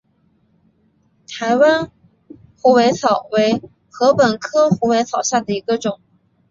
台湾虎尾草为禾本科虎尾草下的一个种。